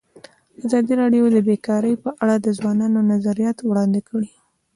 ازادي راډیو د بیکاري په اړه د ځوانانو نظریات وړاندې کړي.